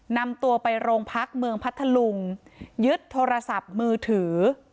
นำตัวไปโรงพักเมืองพัทธลุงยึดโทรศัพท์มือถือ